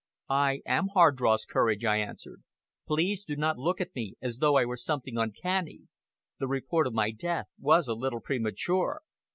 "I am Hardross Courage," I answered. "Please do not look at me as though I were something uncanny. The report of my death was a little premature!"